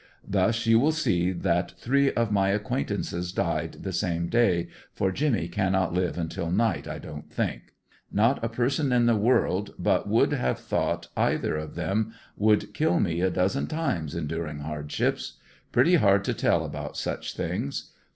Thus you will see that three of my acquaintances died the same day, for Jimmy cannot live until night I don't think ISTot a person in the world but would have thought either one of them would kill me a dozen times enduring hardships. Pretty hard to tell about such thiug i.